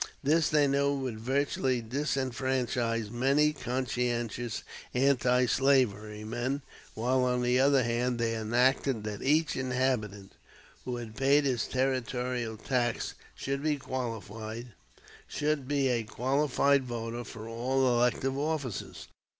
This they knew would virtually disfranchise many conscientious antislavery men; while, on the other hand, they enacted that each inhabitant who had paid his territorial tax should be a qualified voter for all elective officers.